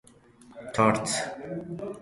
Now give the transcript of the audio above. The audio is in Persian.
تارت